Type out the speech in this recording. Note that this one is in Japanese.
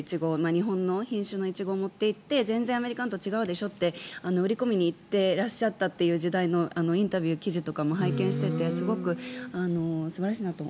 日本の品種のイチゴを持っていって全然アメリカのと違うでしょと売り込みに行っていた時期のインタビューを拝見していてすごく素晴らしいなと。